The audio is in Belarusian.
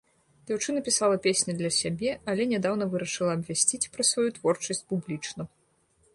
Дзяўчына пісала песні для сябе, але нядаўна вырашыла абвясціць пра сваю творчасць публічна.